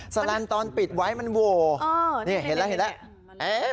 แลนด์ตอนปิดไว้มันโหวนี่เห็นแล้วเห็นแล้ว